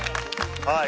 はい